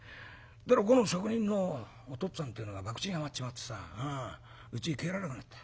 この職人のお父っつぁんてえのがばくちにハマっちまってさうちに帰らなくなった。